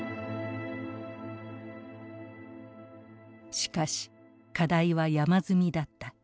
しかし課題は山積みだった。